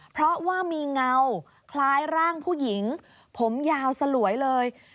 เพราะว่ามีเงาคล้ายร่างผู้หญิงผมยาวสลวยเลย